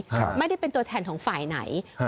ครับไม่ได้เป็นตัวแทนของฝ่ายไหนอ่า